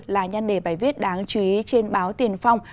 là nhân đề bài viết đáng chú ý trên báo tiền phong